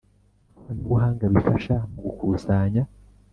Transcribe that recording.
Ikoranabuhanga bifasha mu gukusanya